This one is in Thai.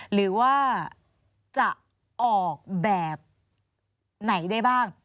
หรือว่าจะออกแบบไหนได้บ้าง